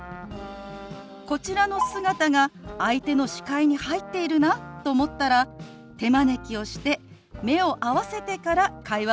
こちらの姿が相手の視界に入っているなと思ったら手招きをして目を合わせてから会話を始めるんです。